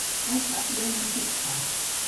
Al cap hi ha un antic far.